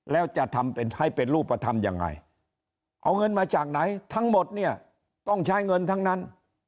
แล้วจะทำให้เป็นรูปธรรมยังไงเอาเงินมาจากไหนทั้งหมดเนี่ยต้องใช้เงินทั้งนั้น